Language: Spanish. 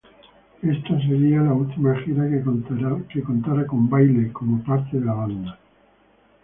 Esta sería la última gira que contara con Bayley como parte de la banda.